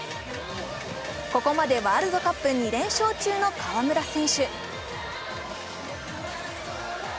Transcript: ここまでワールドカップ２連勝中の川村選手。